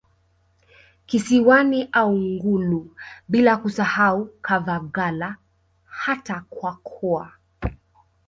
Kisiwani au Ngullu bila kusahau Kavagala hata Kwakoa